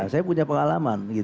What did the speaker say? saya punya pengalaman